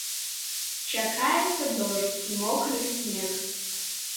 Чакаецца дождж і мокры снег.